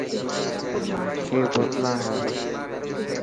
اي بوتلنا هي .